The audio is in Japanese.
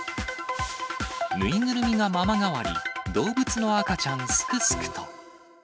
縫いぐるみがママ代わり、動物の赤ちゃんすくすくと。